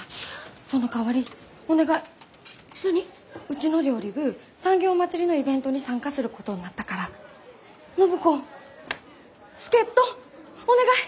うちの料理部産業まつりのイベントに参加することになったから暢子助っ人お願い！